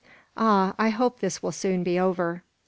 Ah! I hope this will soon be over."